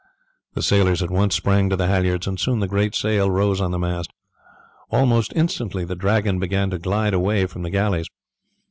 The sailors at once sprang to the halliards, and soon the great sail rose on the mast. Almost instantly the Dragon began to glide away from the galleys.